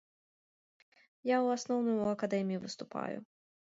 Я ў асноўным у акадэміі выступаю.